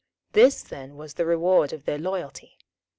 This then was the reward of their loyalty.